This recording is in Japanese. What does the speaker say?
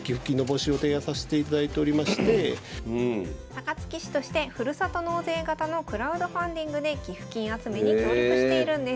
高槻市としてふるさと納税型のクラウドファンディングで寄付金集めに協力しているんです。